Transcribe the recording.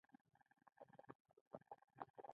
پدیده پوه وايي شواهد په اوسنۍ نړۍ کې ډېر شته.